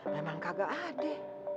memang kagak ada